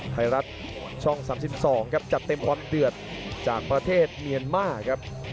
ไทยรัฐช่อง๓๒ครับจัดเต็มความเดือดจากประเทศเมียนมาครับ